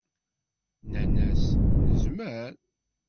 Nnan-as: Nezmer.